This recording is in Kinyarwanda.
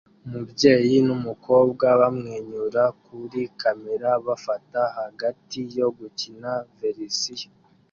Umubyeyi numukobwa bamwenyura kuri kamera bafata hagati yo gukina verisiyo